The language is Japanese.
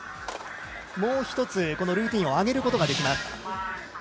もう一つ、このルーティーンを上げることができます。